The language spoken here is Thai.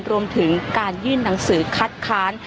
รวมถึงการยื่นหนังสือคัดค้าน